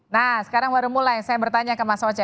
nah sekarang baru mulai saya bertanya ke mas oce